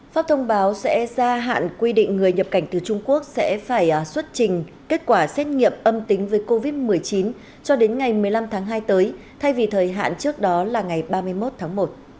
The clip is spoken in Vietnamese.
pháp thông báo sẽ gia hạn quy định người nhập cảnh từ trung quốc sẽ phải xuất trình kết quả xét nghiệm âm tính với covid một mươi chín cho đến ngày một mươi năm tháng hai tới thay vì thời hạn trước đó là ngày ba mươi một tháng một